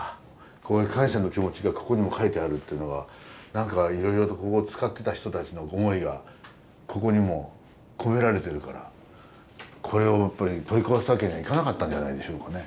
こういう感謝の気持ちがここにも書いてあるっていうのが何かいろいろとここを使ってた人たちの思いがここにも込められてるからこれをやっぱり取り壊すわけにはいかなかったんじゃないでしょうかね。